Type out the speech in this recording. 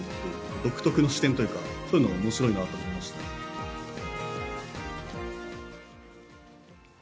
独特の視点というか、そういうのがおもしろいなと思いました。